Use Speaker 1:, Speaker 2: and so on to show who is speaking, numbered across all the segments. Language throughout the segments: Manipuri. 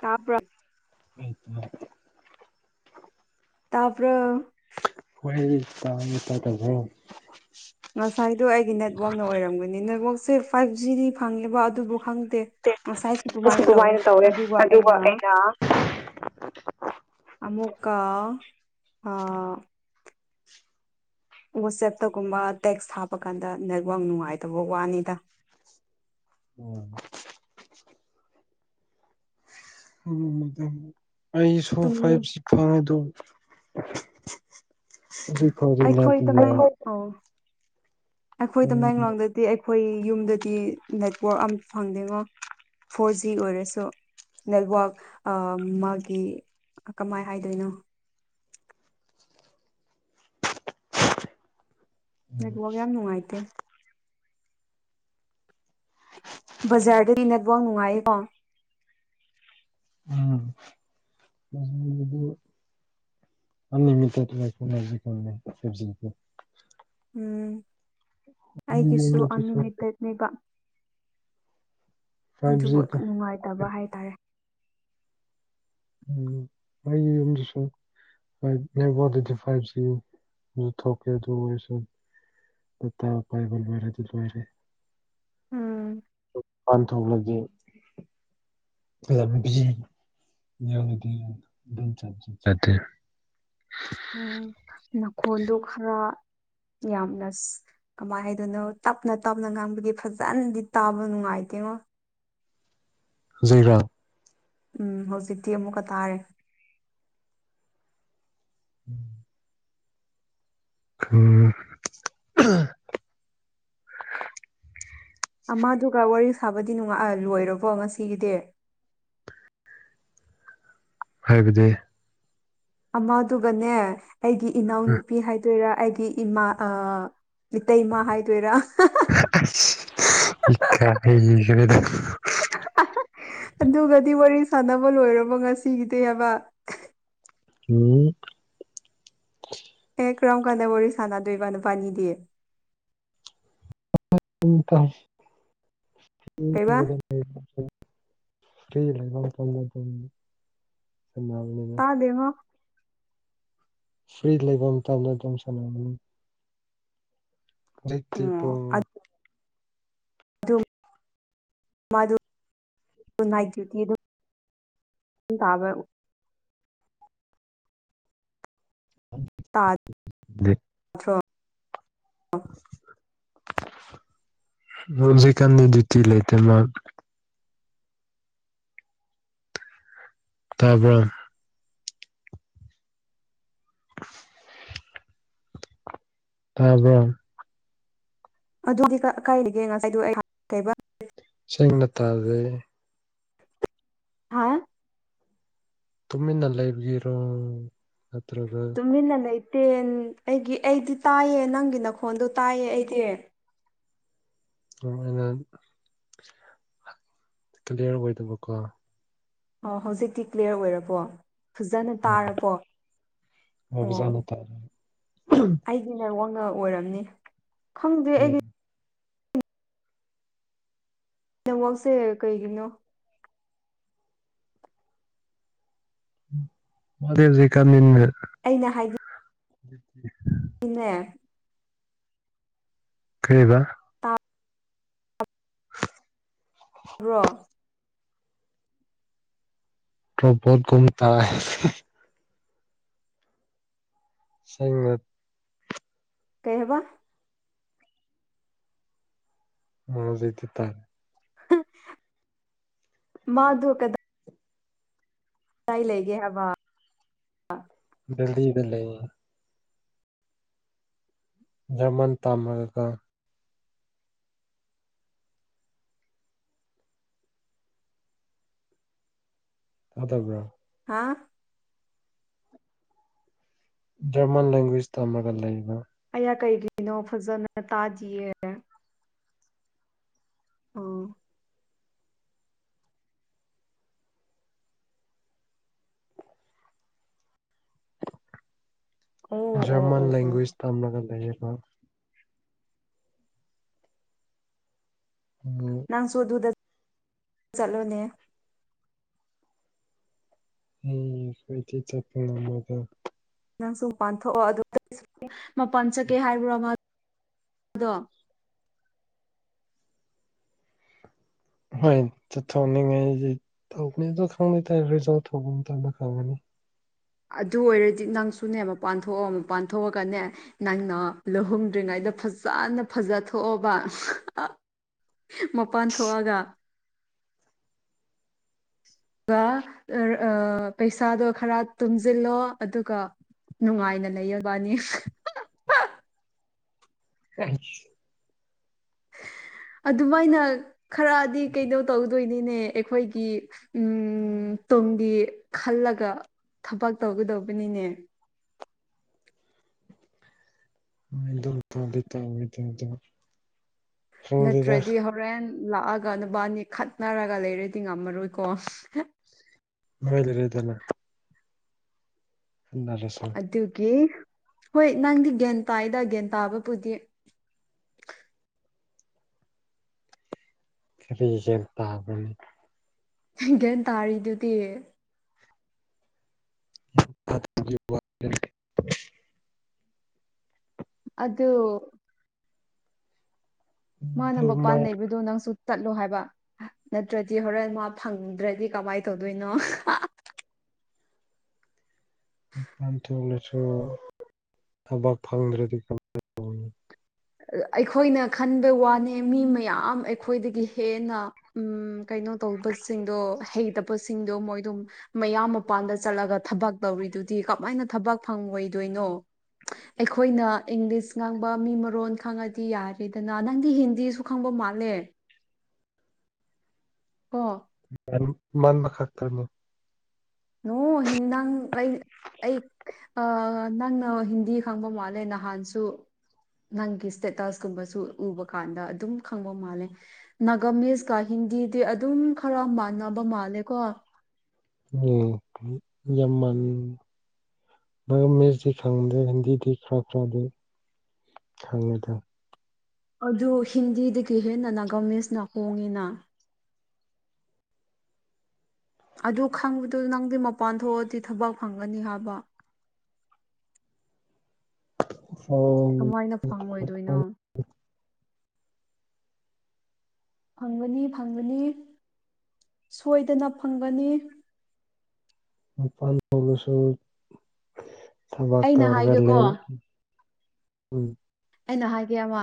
Speaker 1: ꯇꯥꯕ꯭ꯔꯥ
Speaker 2: [unintelligible]
Speaker 1: ꯇꯥꯕ꯭ꯔꯣ
Speaker 2: ꯍꯣꯏ ꯇꯥ ꯇꯥꯗꯕ꯭ꯔꯣ
Speaker 1: ꯉꯁꯥꯏꯗꯣ ꯑꯩꯒꯤ ꯅꯦꯠꯋꯥꯛꯅ ꯑꯣꯏꯔꯝꯒꯅꯤ ꯅꯦꯠꯋꯥꯛꯁꯦ ꯐꯥꯏꯚ ꯖꯤꯗꯤ ꯐꯪꯉꯦꯕ ꯑꯗꯨꯕꯨ ꯈꯪꯗꯦ
Speaker 2: ꯑꯁ ꯑꯗꯨꯃꯥꯏꯅ ꯇꯧꯔꯦ ꯑꯗꯨꯒ ꯑꯩꯅ
Speaker 1: ꯑꯃꯨꯀꯥ ꯑꯥ ꯋꯥꯆꯦꯞꯇꯒꯨꯝꯕ ꯇꯦꯛꯁ ꯍꯥꯞꯄ ꯀꯥꯟꯗ ꯅꯦꯠꯋꯥꯛ ꯅꯨꯡꯉꯥꯏꯇꯕ ꯋꯥꯅꯤꯗ
Speaker 2: ꯑꯣꯝ ꯎ ꯑꯩꯁꯣ
Speaker 1: ꯇꯨꯝꯅꯤꯡ
Speaker 2: ꯐꯥꯏꯚ ꯁꯤ
Speaker 1: ꯑꯩꯈꯣꯏ ꯇꯃꯦꯡ
Speaker 2: [unintelligible]
Speaker 1: ꯑꯣ ꯑꯩꯈꯣꯏ ꯇꯥꯃꯦꯡꯂꯣꯡꯗꯗꯤ ꯑꯩꯈꯣꯏ ꯌꯨꯝꯗꯗꯤ ꯅꯦꯠꯋꯔꯥꯛ ꯑꯃ ꯐꯪꯗꯦꯉꯣ ꯐꯣꯔ ꯖꯤ ꯑꯣꯏꯔꯁꯨ ꯅꯦꯠꯋꯥꯛ ꯑꯥ ꯃꯥꯒꯤ ꯀꯃꯥꯏ ꯍꯥꯏꯗꯣꯏꯅꯣ ꯅꯦꯠꯋꯥꯛ ꯌꯥꯝ ꯅꯨꯡꯉꯥꯏꯇꯦ ꯕꯥꯖꯥꯔꯗꯗꯤ ꯅꯦꯠꯋꯥꯛ ꯅꯨꯡꯉꯥꯏ ꯀꯣ
Speaker 2: [unintelligible]
Speaker 1: ꯎꯝ ꯑꯩꯒꯤꯁꯨ ꯑꯟꯂꯤꯃꯤꯇꯦꯠꯅꯦꯕ ꯃꯕꯨ ꯈ ꯅꯨꯡꯉꯥꯏꯇꯕ ꯍꯥꯏꯇꯥꯔꯦ
Speaker 2: ꯎꯝ ꯑꯩ ꯌꯨꯝꯗꯨꯁꯨ ꯋꯥ ꯑꯩꯠꯇꯤ ꯐꯥꯏꯚ ꯑꯗꯨ ꯊꯣꯛꯀꯦ ꯑꯗꯨ ꯑꯣꯏꯔꯁꯨ ꯇꯄꯥꯏꯒꯣꯜ ꯂꯣꯏꯔꯗꯤ ꯂꯣꯏꯔꯦ
Speaker 1: ꯎꯝ
Speaker 2: ꯄꯥꯟꯊꯣꯛꯂꯒꯦ ꯀꯩꯗꯝꯃꯦ ꯕꯤꯖꯤ ꯌꯥꯎꯗꯤ ꯗꯨꯝ ꯆꯠ ꯆꯠꯇꯦ
Speaker 1: ꯎꯝ ꯅꯈꯣꯟꯗꯣ ꯈꯔ ꯌꯥꯝꯅ ꯁꯤ ꯀꯃꯥꯏꯅ ꯍꯥꯏꯗꯣꯏꯅꯣ ꯇꯞꯅ ꯇꯞꯅ ꯉꯥꯡꯕꯒꯤ ꯐꯖꯅꯗꯤ ꯇꯥꯕ ꯅꯨꯡꯉꯥꯏꯇꯦꯉꯣ
Speaker 2: ꯖꯩꯔꯥ
Speaker 1: ꯎꯝ ꯍꯧꯖꯤꯛꯇꯤ ꯑꯃꯨꯛꯀ ꯇꯥꯔꯦ
Speaker 2: [inaudible] ꯎꯝ ꯍꯨꯋꯥ
Speaker 1: ꯑꯃꯗꯨꯒ ꯋꯥꯔꯤ ꯁꯥꯕꯗꯤ ꯅꯨꯉꯥ ꯂꯣꯏꯔꯕꯣ ꯉꯁꯤꯒꯤꯗꯦ
Speaker 2: ꯍꯥꯏꯕꯗꯤ
Speaker 1: ꯑꯃꯗꯨꯒꯅꯦ ꯑꯩꯒꯤ ꯏꯅꯥꯎꯅꯨꯄꯤ ꯍꯥꯏꯗꯣꯏꯔꯥ ꯑꯩꯒꯤ ꯏꯃꯥ ꯑꯥ ꯏꯇꯩꯃꯥ ꯍꯥꯏꯗꯣꯏꯔꯥ
Speaker 2: ꯏꯁ ꯏꯀꯥꯈ꯭ꯔꯦꯗ
Speaker 1: ꯑꯗꯨꯒꯗꯤ ꯋꯥꯔꯤ ꯁꯥꯟꯅꯕ ꯂꯣꯏꯔꯕ ꯉꯁꯤꯒꯤꯗꯤ ꯍꯥꯏꯕ
Speaker 2: ꯎꯝ
Speaker 1: ꯑꯦ ꯀꯔꯝ ꯀꯥꯟꯗ ꯋꯥꯔꯤ ꯁꯥꯟꯅꯗꯣꯏꯕ ꯅꯕꯅꯤꯗꯤ
Speaker 2: [unintelligible]
Speaker 1: ꯀꯩꯕꯥ
Speaker 2: ꯐ꯭ꯔꯤ ꯂꯩꯕ ꯃꯇꯝꯗꯗꯨꯝ ꯁꯟꯅꯕꯅꯦ
Speaker 1: ꯗꯦꯉꯣ
Speaker 2: ꯐ꯭ꯔꯤ ꯂꯩꯕ ꯃꯇꯝ ꯑꯗꯨꯝ ꯁꯥꯅꯕꯅꯦ ꯍꯧꯖꯤꯛꯇꯤ ꯄꯨꯡ
Speaker 1: ꯗꯨꯝ ꯃꯗꯨ ꯅꯥꯏꯠ ꯗꯨꯏꯇꯤꯗꯨꯝ ꯇꯥꯕ꯭ꯔ ꯇꯥꯗ꯭ꯔꯣ
Speaker 2: [unintelligible] ꯔꯣꯖꯤꯀꯥꯟꯅꯤ ꯗꯨꯇꯤ ꯂꯩꯇꯃ ꯇꯥꯕ꯭ꯔ ꯇꯥꯕꯔ
Speaker 1: ꯑꯗꯨ [unintelligible] ꯀꯥꯏꯔꯤꯒꯦ ꯉꯁꯥꯏꯗꯨ ꯑꯩ ꯀꯩꯕꯥ
Speaker 2: ꯁꯦꯡꯅ ꯇꯥꯗꯦ
Speaker 1: ꯍꯥꯥ
Speaker 2: ꯇꯨꯝꯃꯤ ꯅ ꯂꯩꯏꯕꯤꯔꯣ
Speaker 1: ꯇꯨꯝꯃꯤꯅ ꯂꯩ ꯇꯦꯟ ꯑꯩꯒꯤ ꯑꯩꯗꯤ ꯇꯥꯏꯌꯦ ꯅꯪꯒꯤ ꯅꯈꯣꯟꯗꯣ ꯇꯥꯏꯌꯦ ꯑꯩꯗꯤ
Speaker 2: ꯑꯣ ꯑꯩꯅ ꯀ꯭ꯂꯤꯌꯥꯔ ꯑꯣꯏꯗꯕꯀꯣ
Speaker 1: ꯑꯣ ꯍꯧꯖꯤꯛꯇꯤ ꯀ꯭ꯂꯤꯌꯥꯔ ꯑꯣꯏꯔꯕꯣ ꯐꯖꯅ ꯇꯥꯔꯄꯣ ꯑꯣ ꯑꯩ ꯒꯤ ꯅꯦꯠꯋꯥꯅ ꯑꯣꯏꯔꯝꯅꯤ ꯈꯪꯗꯦ ꯑꯩꯒꯤ ꯅꯦꯠꯋꯥꯛꯁꯦ ꯀꯩꯒꯤꯅꯣ
Speaker 2: ꯑꯗꯨꯍꯧꯖꯤꯛ ꯀꯃꯤꯟꯃꯦ
Speaker 1: ꯑꯩꯅ ꯍꯥꯏ
Speaker 2: [inaudible]
Speaker 1: ꯏꯟꯅꯦ
Speaker 2: ꯀꯩꯕ [inaudible]
Speaker 1: ꯕ꯭ꯔꯣ
Speaker 2: [unintelligible] [unintelligible]
Speaker 1: ꯀꯩ ꯍꯥꯕ
Speaker 2: [unintelligible]
Speaker 1: ꯃꯥꯗꯨ ꯀꯗ ꯀꯥꯏ ꯂꯩꯒꯦ ꯍꯥꯏꯕ
Speaker 2: ꯗꯦꯜꯂꯤꯗ ꯂꯩ ꯖꯔꯃꯟ ꯇꯝꯃꯒ ꯇꯥꯗꯕꯥ꯭ꯔ
Speaker 1: ꯍꯥꯥ
Speaker 2: ꯖꯔꯃꯟ ꯂꯦꯡꯒ꯭ꯋꯦꯖ ꯇꯝꯃꯒ ꯂꯩꯕ
Speaker 1: ꯑꯌꯥ ꯀꯩꯒꯤꯅꯣ ꯐꯖꯅ ꯇꯥꯗꯤꯌꯦ ꯑꯣ ꯑꯣ ꯑꯣ
Speaker 2: ꯖꯔꯃꯟ
Speaker 1: ꯑꯣ ꯑꯣ
Speaker 2: ꯂꯦꯡꯒ꯭ꯋꯦꯖ ꯇꯝꯂꯒ ꯂꯩꯌꯦꯕ
Speaker 1: ꯅꯪꯁꯨ ꯑꯗꯨꯗ ꯆꯠꯂꯣꯅꯦ
Speaker 2: ꯎꯝ [unintelligible]
Speaker 1: ꯅꯪꯁꯨ ꯃꯄꯥꯟ ꯊꯣꯛꯑꯣ ꯑꯗꯨ ꯃꯄꯥꯟ ꯆꯠꯀꯦ ꯍꯥꯏꯕ꯭ꯔꯣ ꯃꯥ ꯑꯗꯣ
Speaker 2: ꯍꯣꯏ ꯆꯠꯊꯣꯛꯅꯤꯡꯉꯥꯏꯗꯤ ꯇꯧꯕꯅꯤ ꯑꯗꯨ ꯈꯪꯗꯦ ꯔꯤꯖꯜ ꯊꯧꯕ ꯃꯇꯝꯗ ꯈꯪꯉꯅꯤ
Speaker 1: ꯑꯗꯨ ꯑꯣꯏꯔꯗꯤ ꯅꯪꯁꯨꯅꯦ ꯃꯄꯥꯟ ꯊꯣꯛꯑꯣ ꯃꯄꯥꯟ ꯊꯣꯛꯑꯒꯅꯦ ꯅꯪꯅ ꯂꯧꯍꯨꯝꯗ꯭ꯔꯤꯉꯩꯗ ꯐꯖꯅ ꯐꯖꯊꯣꯛꯑꯕ ꯃꯄꯥꯟ ꯊꯣꯛꯑꯒ ꯒꯥ ꯔ ꯑꯥ ꯄꯩꯁꯥꯗꯣ ꯈꯔ ꯇꯨꯝꯖꯤꯡꯂꯣ ꯑꯗꯨꯒ ꯅꯨꯡꯉꯥꯏꯅ ꯂꯩꯌꯦꯕꯥꯅꯤ
Speaker 2: [inaudible]
Speaker 1: ꯑꯗꯨꯃꯥꯏꯅ ꯈꯔꯗꯤ ꯀꯩꯅꫭ ꯇꯧꯗꯣꯏꯅꯤꯅꯦ ꯑꯩꯈꯣꯏꯒꯤ ꯎꯝ ꯇꯨꯡꯒꯤ ꯈꯜꯂꯒ ꯊꯕꯛ ꯇꯧꯒꯗꯧꯕꯅꯤꯅꯦ꯫
Speaker 2: [inaudible]
Speaker 1: ꯅꯠꯇ꯭ꯔꯗꯤ ꯍꯧ ꯔꯦꯟ ꯂꯥꯛꯑꯒ ꯅꯕꯥꯅꯤ ꯈꯠꯅꯔꯒ ꯂꯩꯔꯗꯤ ꯉꯝꯃꯔꯣꯏꯀꯣ꯫
Speaker 2: [inaudible] [inaudible]
Speaker 1: ꯗꯨꯒꯤ ꯍꯣꯏ ꯅꯪꯗꯤ ꯒ꯭ꯌꯥꯟ ꯇꯥꯏꯗ ꯒ꯭ꯌꯥꯟ ꯇꯥꯕꯕꯨꯗꯤ꯫
Speaker 2: ꯀꯔꯤ ꯒꯦꯟ ꯇꯥꯕ꯭ꯔꯅꯦ꯫
Speaker 1: ꯒꯦꯟ ꯇꯥꯔꯤꯗꯨꯗꯤ꯫
Speaker 2: [inaudible]
Speaker 1: ꯑꯗꯨ ꯃꯥꯅ ꯃꯄꯥꯟ ꯂꯩꯕꯗꯣ ꯅꯪꯁꯨ ꯆꯠꯂꯣ ꯍꯥꯏꯕ ꯅꯠꯇ꯭ꯔꯗꯤ ꯍꯣꯔꯦꯟ ꯃꯥ ꯐꯪꯗ꯭ꯔꯗꯤ ꯀꯃꯥꯏꯅ ꯇꯧꯗꯣꯏꯅꯣ꯫
Speaker 2: ꯄꯥꯟ ꯊꫭꯛꯂꯁꯨ ꯊꯕꯛ ꯐꯪꯗ꯭ꯦꯗꯤ ꯀ
Speaker 1: ꯑꯩꯈꯣꯏꯅ ꯈꯟꯕ ꯋꯥꯅꯦ ꯃꯤ ꯃꯌꯥꯝ ꯑꯩꯈꯣꯏꯗꯒꯤ ꯍꯦꯟꯅ ꯎꯝ ꯀꯩꯅꯣ ꯇꯧꯕꯁꯤꯡꯗꯣ ꯍꯩꯇꯕꯁꯤꯡꯗꯣ ꯃꯣꯏꯗꯨꯝ ꯃꯌꯥꯝ ꯃꯄꯥꯟꯗ ꯆꯠꯂꯒ ꯊꯕꯛ ꯇꯧꯔꯤꯗꯨꯗꯤ ꯀꯃꯥꯏꯅ ꯊꯕꯛ ꯐꯪꯉꯣꯏꯗꯣꯏꯅꯣ꯫ ꯑꯩꯈꯣꯏꯅ ꯏꯪꯂꯤꯁ ꯉꯥꯡꯕ ꯃꯤ ꯃꯔꯣꯟ ꯈꯪꯉꯗꯤ ꯌꯥꯔꯦꯗꯅ ꯅꯪꯗꯤ ꯍꯤꯟꯗꯤꯁꯨ ꯈꯪꯕ ꯃꯥꯜꯂꯦ꯫ ꯀꫭ꯫
Speaker 2: [inaudible]
Speaker 1: ꯅꫭ ꯍꯤꯟ ꯅꯪ ꯑꯩ ꯑꯩ ꯑ ꯅꯪꯅ ꯍꯤꯟꯗꯤ ꯈꯪꯕ ꯃꯥꯜꯂꯦ ꯅꯍꯥꯟꯁꯨ ꯅꯪꯒꯤ ꯏꯁ꯭ꯇꯦꯇꯁꯀꯨꯝꯕꯁꯨ ꯎꯕ ꯀꯥꯟꯗ ꯑꯗꯨꯝ ꯈꯪꯕ ꯃꯥꯜꯂꯦ꯫ ꯅꯥꯒꯃꯤꯁꯀ ꯍꯤꯟꯗꯤꯗꯤ ꯑꯗꯨꯝ ꯈꯔ ꯃꯥꯟꯅꯕ ꯃꯥꯜꯂꯦ ꯀꯣ꯫
Speaker 2: [inaudible] [inaudible]
Speaker 1: ꯑꯗꯨ ꯍꯤꯟꯗꯤꯗꯒꯤ ꯍꯦꯟꯅ ꯅꯥꯒꯃꯤꯁꯅ ꯍꯣꯡꯉꯤꯅ꯫ ꯑꯗꯨ ꯈꯪꯕꯗꯨ ꯅꯪꯗꯤ ꯃꯄꯥꯟ ꯊꯣꯛꯑꯗꯤ ꯊꯕꯛ ꯐꯪꯒꯅꯤ ꯍꯥꯏꯕ꯫ ꯀꯃꯥꯏꯅ ꯐꯪꯉꯣꯏꯗꯣꯏꯅꯣ
Speaker 2: [inaudible]
Speaker 1: ꯐꯪꯒꯅꯤ ꯐꯪꯒꯅꯤ ꯁꯣꯏꯗꯅ ꯐꯪꯒꯅꯤ꯫
Speaker 2: [inaudible]
Speaker 1: ꯑꯩꯅ ꯍꯥꯏꯒꯦꯀꯣ
Speaker 2: [inaudible]
Speaker 1: ꯑꯩꯅ ꯍꯥꯏꯒꯦ ꯑꯃ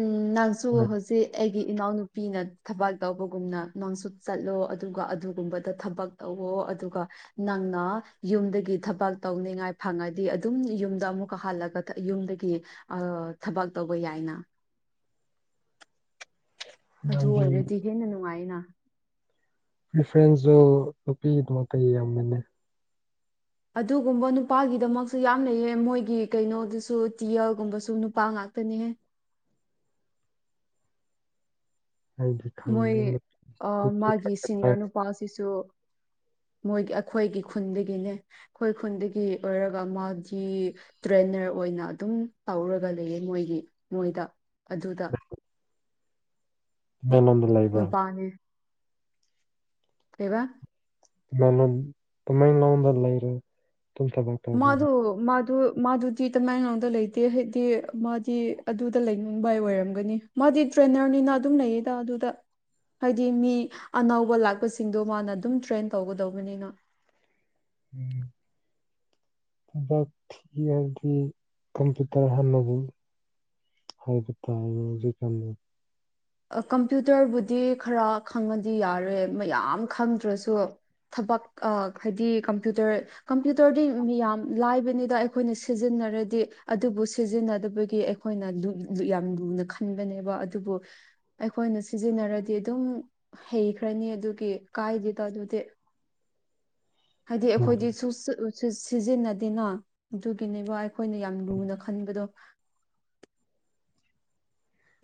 Speaker 1: ꯎꯝ ꯅꯪꯁꯨ ꯍꯧ ꯁꯤ ꯑꯩꯒꯤ ꯏꯅꯥꯎꯅꯨꯄꯤꯅ ꯊꯕꯥꯛ ꯇꯧꯕꯒꯨꯝꯅ ꯅꯣꯡꯁꯨꯨ ꯆꯠꯂꯣ ꯑꯗꯨꯒ ꯑꯗꯨꯒꯨꯝꯕꯗ ꯊꯕꯛ ꯇꯧꯋꯣ ꯑꯗꯨꯒ ꯅꯪꯅꯥ ꯌꯨꯝꯗꯒꯤ ꯊꯕꯛ ꯇꯧꯅꯤꯡꯉꯥꯏ ꯐꯪꯉꯗꯤ ꯑꯗꯨꯝ ꯌꯨꯝꯗ ꯑꯃꯨꯛꯀ ꯍꯜꯂꯒ ꯇ ꯌꯨꯝꯗꯒꯤ ꯊꯕꯛ ꯇꯧꯕ ꯌꯥꯏꯅ꯫ ꯑꯗꯨ ꯑꯣꯏꯔꯗꯤ ꯍꯦꯟꯅ ꯅꯨꯡꯉꯥꯏꯅ꯫
Speaker 2: ꯄ꯭ꯔꯤꯐꯔꯦꯟꯁꯁꯨ ꯅꯨꯄꯤꯒꯤꯗꯃꯛꯇꯤ ꯌꯦꯡꯕꯅꯦ꯫
Speaker 1: ꯑꯗꯨꯒꯨꯝꯕ ꯅꯨꯄꯥꯒꯤꯗꯃꯛꯁꯨ ꯌꯥꯝ ꯂꯩꯌꯦ ꯃꯣꯏꯒꯤ ꯀꯩꯅꯣꯗꯨꯁꯨ ꯇꯤꯌꯜꯒꯨꯝꯕꯁꯨ ꯅꯨꯄꯥ ꯉꯥꯛꯇꯅꯦꯍꯦ꯫
Speaker 2: [inaudible]
Speaker 1: ꯃꯣꯏ ꯑ ꯃꯥꯒꯤ ꯁꯤꯅꯤꯌꯔ ꯅꯨꯄꯥꯁꯤꯁꯨ ꯃꯣꯏꯒꯤ ꯑꯈꯣꯏꯒꯤ ꯈꯨꯟꯗꯒꯤꯅꯦ꯫ ꯈꯣꯏ ꯈꯨꯟꯗꯒꯤ ꯑꯣꯏꯔꯒ ꯃꯥꯒꯤ ꯇ꯭ꯔꯦꯅꯔ ꯑꯣꯏꯅ ꯑꯗꯨꯝ ꯇꯧꯔꯒ ꯂꯩꯌꯦ ꯃꯣꯏꯒꯤ ꯃꯣꯏꯗ ꯑꯗꯨꯗ
Speaker 2: [unintelligible]
Speaker 1: ꯅꯨꯄꯥꯅꯤ ꯀꯩꯕ
Speaker 2: ꯃꯂꯣꯝ ꯇꯃꯦꯡꯂꯣꯡꯗ ꯂꯩꯔꯤ ꯇꯨꯝꯊꯕꯣ
Speaker 1: ꯃꯥꯙꯨ ꯃꯥꯙꯨ ꯃꯥꯗꯨꯠ ꯆꯤ ꯇꯃꯦꯡꯂꯣꯡꯗ ꯂꯩꯇꯦ ꯍꯩꯗꯤ ꯃꯥꯗꯤ ꯑꯗꯨꯗ ꯂꯩꯅꯤꯡꯕꯥꯏ ꯑꯣꯏꯔꯝꯒꯅꯤ ꯃꯥꯗꯤ ꯇ꯭ꯔꯦꯅꯔꯅꯤꯅ ꯑꯗꯨꯝ ꯂꯩꯌꯦꯗ ꯑꯗꯨꯗ ꯍꯥꯏꯗꯤ ꯃꯤ ꯑꯅꯧꯕ ꯂꯥꯛꯄꯁꯤꯡꯗꯣ ꯃꯥꯅ ꯑꯗꯨꯝ ꯇ꯭ꯔꯦꯟ ꯇꯧꯒꯗꯧꯕꯅꯤꯅ
Speaker 2: ꯎꯝ ꯈꯨꯗꯥꯛ ꯊꯤ ꯍꯥꯏꯕꯗꯤ ꯀꯝꯄ꯭ꯌꯨꯇꯔ ꯍꯥꯟꯅꯕꯨ ꯍꯥꯏꯕ ꯇꯥꯏ ꯍꯧꯖꯤꯛ ꯇꯝꯃꯦ
Speaker 1: ꯑ ꯀꯝꯄ꯭ꯌꯨꯇꯔꯕꯨꯗꯤ ꯈꯔ ꯈꯪꯉꯗꯤ ꯌꯥꯔꯦ ꯃꯌꯥꯝ ꯈꯪꯗ꯭ꯔꯁꯨ ꯊꯕꯛ ꯑ ꯍꯥꯏꯗꯤ ꯀꯝꯄ꯭ꯌꯨꯇꯔ ꯀꯝꯄ꯭ꯌꯨꯇꯔꯗꯤ ꯃꯤꯌꯥꯝ ꯂꯥꯏꯕꯅꯤꯗ ꯑꯩꯈꯣꯏꯅ ꯁꯤꯖꯤꯟꯅꯔꯗꯤ ꯑꯗꯨꯕꯨ ꯁꯤꯖꯤꯟꯅꯗꯕꯒꯤ ꯑꯩ ꯍꯣꯏꯅ ꯂꯨ ꯌꯥꯝ ꯂꯨꯅ ꯈꯟꯕꯅꯦꯕ ꯑꯗꯨꯕꯨ ꯑꯩꯈꯣꯏꯅ ꯁꯤꯖꯤꯟꯅꯔꯗꯤ ꯑꯗꯨꯝ ꯍꯩꯈ꯭ꯔꯅꯤ ꯑꯗꯨꯒꯤ ꯀꯥꯏꯗꯦꯗ ꯑꯗꯨꯗꯤ ꯍꯥꯏꯗꯤ ꯑꯩꯈꯣꯏꯗꯤ ꯁꯨꯁꯤ ꯑ ꯁꯤ ꯁꯤꯖꯤꯟꯅꯗꯦꯅ ꯑꯗꯨꯒꯤꯅꯦꯕ ꯑꯥꯏ ꯈꯣꯏꯅ ꯌꯥꯝ ꯂꯨꯅ ꯈꯟꯕꯗꯣ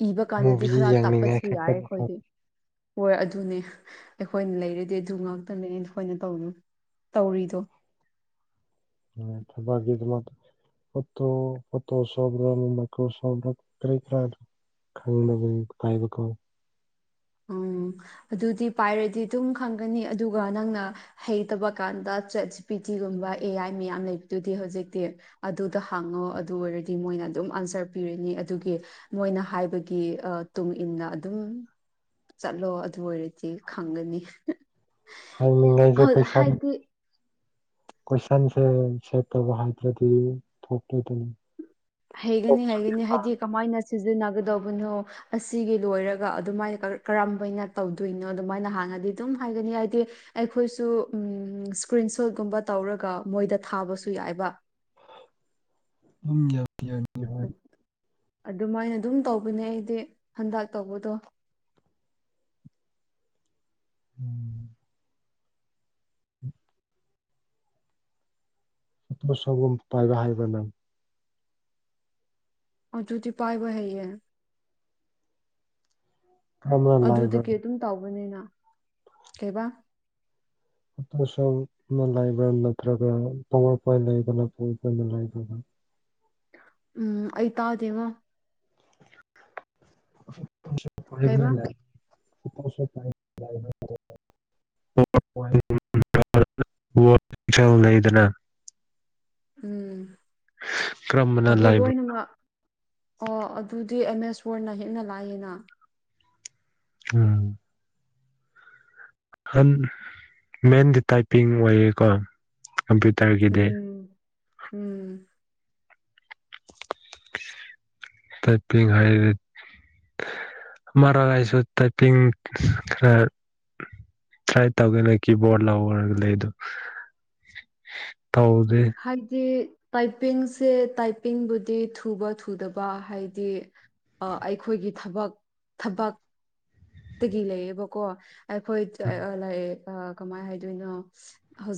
Speaker 1: ꯏꯕꯀꯥꯟꯗꯗꯤ ꯈꯔ ꯇꯥꯛꯄꯁꯨ ꯌꯥꯏ ꯈꯣꯏꯗꯤ ꯍꯣꯏ ꯑꯗꯨꯅꯦ ꯑꯩꯈꯣꯏꯅ ꯂꯩꯔꯗꯤ ꯑꯗꯨ ꯉꯥꯛꯇꯅꯦꯅ ꯑꯩꯈꯣꯏꯅ ꯇꯧꯅꯨ ꯇꯧꯔꯤꯗꯣ
Speaker 2: ꯎꯝ ꯊꯕꯛꯀꯤꯗꯃꯛꯇꯁꯨ ꯐꯣꯇꯣ ꯐꯣꯇꯣꯁꯣꯠꯔ ꯃꯥꯏꯀ꯭ꯔꯣꯁꯣꯞꯔ ꯀ꯭ꯔꯤ ꯀ꯭ꯔꯥꯏꯠ ꯈꯪꯅꯕꯒꯤ ꯈꯨꯈꯥꯏꯕꯀꯣ
Speaker 1: ꯎꯝ ꯑꯗꯨꯗꯤ ꯄꯥꯏꯔꯗꯤ ꯑꯗꯨꯝ ꯈꯪꯒꯅꯤ ꯑꯗꯨꯒ ꯅꯪꯅ ꯍꯩꯇꯕ ꯀꯥꯟꯗ ꯆꯠ ꯄꯤ ꯇꯤꯒꯨꯝꯕ ꯑꯦ ꯑꯥꯏ ꯃꯌꯥꯝ ꯂꯩꯕꯗꯨꯗꯤ ꯍꯧꯖꯤꯛꯇꯤ ꯑꯗꯨꯗ ꯍꯥꯡꯉꯣ ꯑꯗꯨ ꯑꯣꯏꯔꯗꯤ ꯃꯣꯏꯅ ꯑꯗꯨꯝ ꯑꯟꯁꯔ ꯄꯤꯔꯅꯤ ꯑꯗꯨꯒꯤ ꯃꯣꯏꯅ ꯍꯥꯏꯕꯒꯤ ꯑ ꯇꯨꯡꯏꯟꯅ ꯑꯗꯨꯝ ꯆꯠꯂꯣ ꯑꯗꯨꯑꯣꯏꯔꯗꯤ ꯈꯪꯒꯅꯤ ꯍꯣꯠ ꯍꯥꯏꯗꯤ
Speaker 2: ꯀꯣꯏꯁꯟꯁꯦ ꯁꯦꯠ ꯇꯧꯕ ꯍꯥꯏꯗ꯭ꯔꯗꯤ ꯊꯣꯛꯀꯦ ꯗꯨꯝ
Speaker 1: ꯍꯩꯒꯅꯤ ꯍꯩꯒꯅꯤ ꯍꯥꯏꯗꯤ ꯀꯃꯥꯏꯅ ꯁꯤꯖꯤꯟꯅꯒꯗꯧꯕꯅꯣ ꯑꯁꯤꯒꯤ ꯂꯣꯏꯔꯒ ꯑꯗꯨꯃꯥꯏꯟ ꯀꯔ ꯀꯔꯝꯕꯩꯅ ꯇꯧꯗꯨꯏꯅꯣ ꯗꯨꯃꯥꯏꯅ ꯍꯥꯟꯅꯗꯤ ꯑꯗꯨꯝ ꯍꯥꯏꯒꯅꯤ ꯍꯥꯏꯗꯤ ꯑꯩꯈꯣꯏꯁꯨ ꯎꯝ ꯏꯁꯀ꯭ꯔꯤꯟ ꯁꯣꯠꯀꯨꯝꯕ ꯇꯧꯔꯒ ꯃꯣꯏꯗ ꯊꯥꯕꯁꯨ ꯌꯥꯏꯕ
Speaker 2: ꯎꯝ ꯌꯥ [inaudible]
Speaker 1: ꯑꯗꯨꯃꯥꯏꯅ ꯑꯗꯨꯝ ꯇꯧꯕꯅꯦ ꯑꯩꯗꯤ ꯍꯟꯗꯛ ꯇꯧꯕꯗꯣ
Speaker 2: ꯎꯝ [inaudible] [unintelligible]
Speaker 1: ꯑꯗꯨꯗꯤ ꯄꯥꯏꯕ ꯍꯩꯌꯦ ꯑꯗꯨꯗꯒꯤ ꯑꯗꯨꯝ ꯇꯧꯕꯅꯤꯅ ꯀꯩꯕꯥ
Speaker 2: ꯋꯥꯁꯔꯨꯝ ꯑꯃꯥ ꯂꯩꯥꯕ꯭ꯔꯥ ꯅꯠꯇ꯭ꯔꯒ ꯄꯋꯥꯔ ꯄꯣꯏꯟ ꯂꯩꯕꯅ [unintelligible]
Speaker 1: ꯎꯝ ꯑꯩ ꯇꯥꯎꯗꯦꯉꯣ
Speaker 2: [unintelligible] ꯐꯕꯅ
Speaker 1: ꯀꯩꯕꯥ
Speaker 2: ꯂꯩ [unintelligible] [unintelligible] ꯂꯩꯗꯅ
Speaker 1: ꯎꯝ ꯑꯗꯨ ꯂꯣꯏꯅꯃꯛ ꯑꯣ ꯑꯗꯨꯗꯤ ꯑꯦꯝꯃꯦꯁꯋꯣꯔꯅ ꯍꯦꯟꯅ ꯂꯥꯏꯌꯦꯅ
Speaker 2: ꯎꯝ ꯍꯟ ꯃꯦꯟꯗꯤ ꯇꯥꯏꯞꯄꯤꯡ ꯑꯣꯏꯌꯦꯀꯣ ꯀꯝꯄ꯭ꯌꯨꯇꯔꯒꯤꯗꯤ
Speaker 1: ꯎꯝ ꯎꯝ [inaudible]
Speaker 2: ꯇꯥꯏꯄꯤꯡ ꯍꯥꯏꯔꯤꯠ ꯃꯔꯂꯥꯏꯁꯨ ꯇꯥꯏꯄꯤꯡ ꯈꯔ ꯇꯔ꯭ꯥꯏ ꯇꯧꯒꯦꯅ ꯀꯤꯕꯣꯔꯠ ꯂꯧꯔꯒ ꯂꯩꯗꯨ ꯇꯧꯗꯦ
Speaker 1: ꯍꯥꯏꯗꯤ ꯇꯥꯏꯄꯤꯡꯁꯦ ꯇꯥꯏꯄꯤꯡꯕꯨꯗꯤ ꯊꯨꯕ ꯊꯨꯗꯕ ꯍꯥꯏꯗꯤ ꯑ ꯑꯩꯈꯣꯏꯒꯤ ꯊꯕꯛ ꯊꯕꯛꯇꯒꯤ ꯂꯩꯌꯦꯕꯀꯣ ꯑꯩꯈꯣꯏ ꯂꯥꯛꯑꯦ ꯑ ꯀꯃꯥꯏ ꯍꯥꯏꯗꯣꯏꯅꯣ ꯍꯧꯖꯤꯛ